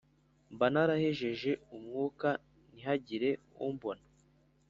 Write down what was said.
mba narahejeje umwuka ntihagire umbona,